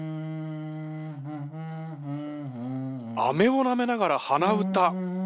アメをなめながら鼻歌。